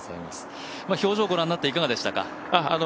表情をご覧になっていかがでしたか。